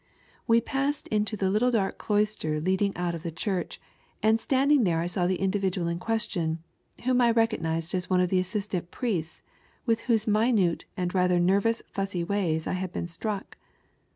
We passed into the little dark cloister leading out of the Church, and standing there I saw the individual in question, whom I recognised as one of the assistant priests with whose minute and rather nervous fussy ways I had been struck.